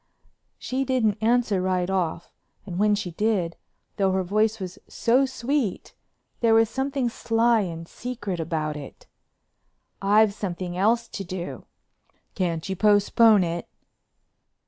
She didn't answer right off and when she did, though her voice was so sweet, there was something sly and secret about it. "I've something else to do." "Can't you postpone it?"